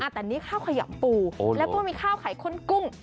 แต่นี่ข้าวขยำปูแล้วก็มีข้าวไข่ข้นกุ้ง